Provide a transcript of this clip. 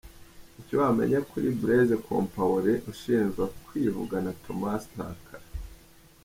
Ibyo wamenya kuri Blaise Compaoré ushinjwa kwivugana Thomas Sankara.